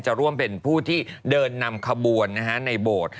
จะร่วมเป็นพวกที่เดินนำขบวนนะฮะในโบรต